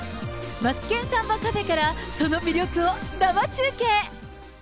マツケンサンバカフェから、その魅力を生中継。